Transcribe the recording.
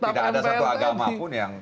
tidak ada satu agama pun yang